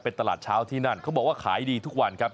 เป็นตลาดเช้าที่นั่นเขาบอกว่าขายดีทุกวันครับ